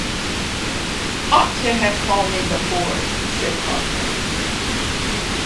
Ought to have called me before,' he said crossly.